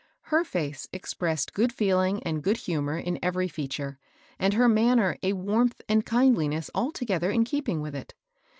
Her fece expressed good feeling and good humor in every feature, and her manner a warmth and kindliness alto gether in keeping with it.